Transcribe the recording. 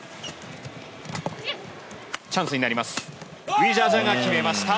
ウィジャジャが決めました！